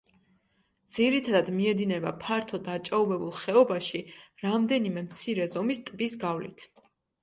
ძირითადად მიედინება ფართო დაჭაობებულ ხეობაში, რამდენიმე მცირე ზომის ტბის გავლით.